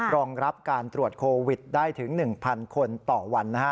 รองรับการตรวจโควิดได้ถึง๑๐๐คนต่อวัน